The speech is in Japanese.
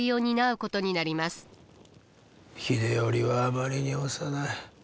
秀頼はあまりに幼い。